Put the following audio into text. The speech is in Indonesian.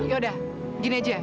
yaudah gini aja